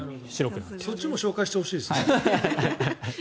そっちも紹介してほしいですね。